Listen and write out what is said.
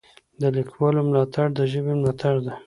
د لیکوالو ملاتړ د ژبې ملاتړ دی.